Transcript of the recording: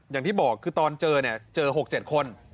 อย่างที่บอกคือตอนเจอเนี่ยเจอ๖๗คน